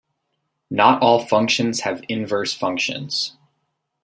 Not all functions have inverse functions.